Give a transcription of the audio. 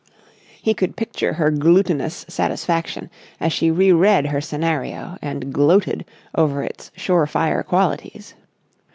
He could picture her glutinous satisfaction as she re read her scenario and gloated over its sure fire qualities.